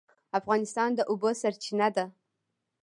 افغانستان د اوبو سرچینه ده